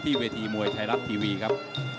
เวทีมวยไทยรัฐทีวีครับ